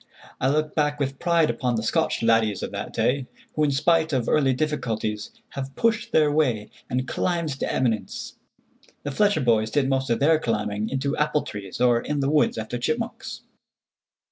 I look back with pride upon the Scotch laddies of that day, who in spite of early difficulties have pushed their way and climbed to eminence. The Fletcher boys did most of their climbing into apple trees, or in the woods after chipmunks.